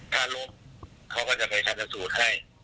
ถ้าร้มเขาก็จะไปคันศาสตร์ให้